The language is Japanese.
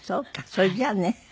それじゃあね。